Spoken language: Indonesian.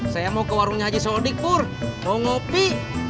saya mau ke warungnya haji solonikpur mau ngopi